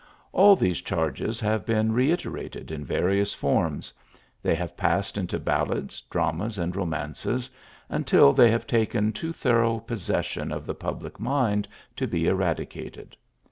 All these charges have been reiterated in various forms ; they have passed into ballads, dramas, and romances, until they have taken too thorough possession of the public mind to be eradicated.